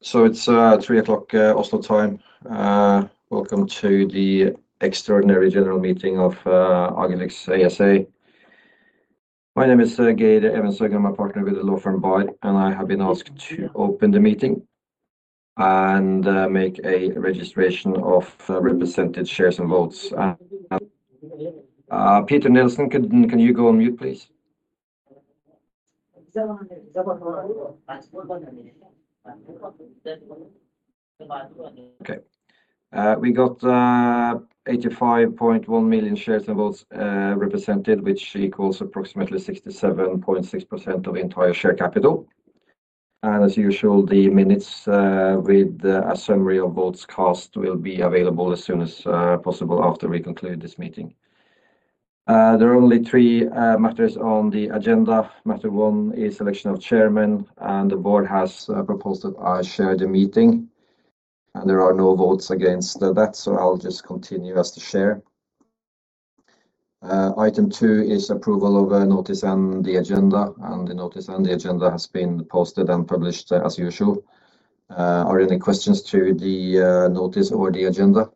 It's 3:00 P.M. Oslo time. Welcome to the extraordinary general meeting of Agilyx ASA. My name is Geir Evenshaug. I'm a partner with the law firm, BAHR, and I have been asked to open the meeting and make a registration of represented shares and votes. Peter Nelson, can you go on mute, please? We got 85.1 million shares and votes represented, which equals approximately 67.6% of entire share capital. As usual, the minutes with a summary of votes cast will be available as soon as possible after we conclude this meeting. There are only three matters on the agenda. Matter one is election of chairman, the board has proposed that I chair the meeting, there are no votes against that, I'll just continue as the chair. Item two is approval of a notice and the agenda. The notice and the agenda has been posted and published as usual. Are there any questions to the notice or the agenda?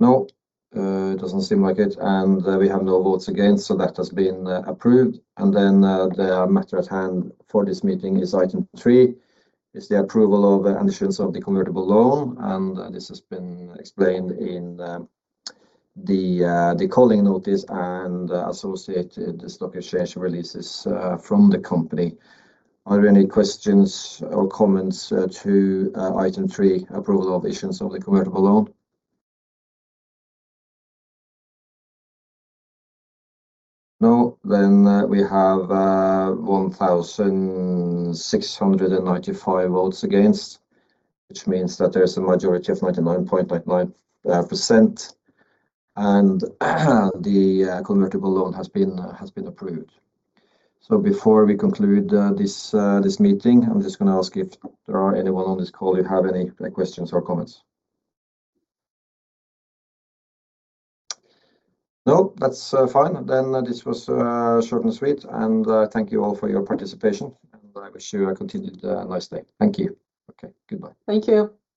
No, it doesn't seem like it, and we have no votes against, so that has been approved. The matter at hand for this meeting is item three, is the approval of and issuance of the convertible loan, and this has been explained in the calling notice and associated stock exchange releases from the company. Are there any questions or comments to item three, approval of issuance of the convertible loan? No, then we have 1,695 votes against, which means that there's a majority of 99.99%. The convertible loan has been approved. Before we conclude this meeting, I'm just going to ask if there are anyone on this call who have any questions or comments? No, that's fine. This was short and sweet, and thank you all for your participation, and I wish you a continued nice day. Thank you. Okay, goodbye. Thank you.